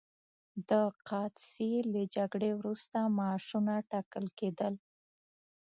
د قادسیې له جګړې وروسته معاشونه ټاکل کېدل.